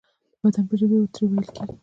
د بدن په ژبې ترې ویل کیږي.